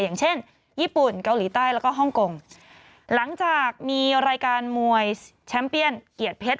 อย่างเช่นญี่ปุ่นเกาหลีใต้แล้วก็ฮ่องกงหลังจากมีรายการมวยแชมป์เปี้ยนเกียรติเพชร